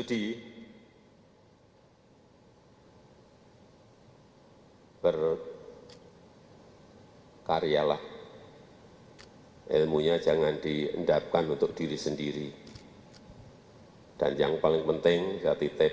jadi berkaryalah ilmunya jangan diendapkan untuk diri sendiri dan yang paling penting saya titip pulang